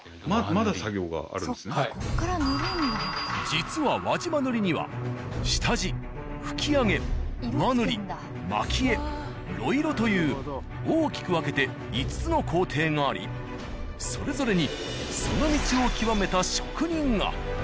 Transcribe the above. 実は輪島塗には下地拭き上げ上塗り蒔絵呂色という大きく分けて５つの工程がありそれぞれにその道を極めた職人が。